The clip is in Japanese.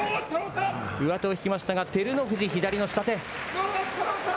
上手を引きましたが、照ノ富士、左の下手。